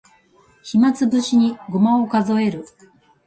暇つぶしにごまを数える